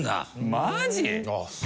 マジ！？